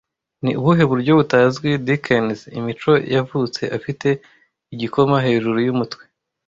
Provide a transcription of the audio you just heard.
Ni ubuhe buryo butazwi Dickens imico yavutse afite igikoma hejuru yumutwe